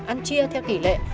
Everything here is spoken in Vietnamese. ăn chia theo kỷ lệ